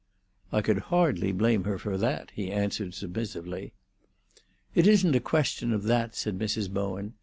"I could hardly blame her for that," he answered submissively. "It isn't a question of that," said Mrs. Bowen.